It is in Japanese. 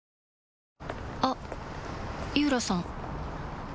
あっ井浦さん